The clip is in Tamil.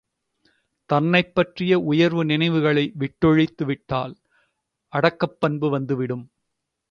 தன்னைப் பற்றிய உயர்வு நினைவுகளை விட்டொழித்து விட்டால் அடக்கப்பண்பு வந்து விடும்.